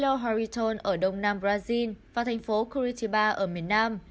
belo horizonte ở đông nam brazil và thành phố curitiba ở miền nam